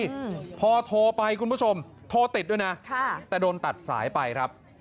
อืมพอโทรไปคุณผู้ชมโทรติดด้วยนะค่ะแต่โดนตัดสายไปครับ